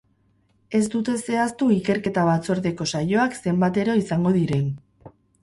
Ez dute zehaztu ikerketa batzordeko saioak zenbatero izango diren.